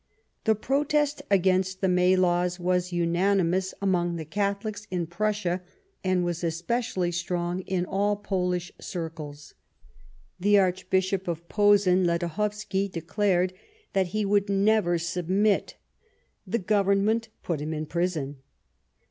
The protest against the May Laws was unani mous amongst the Catholics in Prussia, and was especially strong in all Polish circles. The Arch bishop of Posen, Ledochowski, declared that he would never submit ; the Government put him in prison.